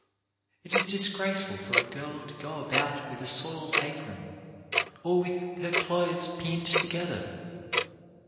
It is disgraceful for a girl to go about with a soiled apron, or with her clothes pinned together.